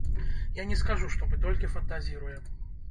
Я не скажу, што мы толькі фантазіруем.